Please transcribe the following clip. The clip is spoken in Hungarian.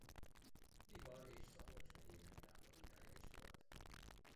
Bihar és Szabolcs megyének táblabírája is volt.